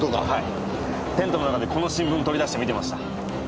テントの中でこの新聞取り出して見てました。